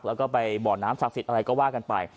แล้วก็ไปบ่อน้ำศักดิ์สิทธิ์อะไรก็ว่ากันไป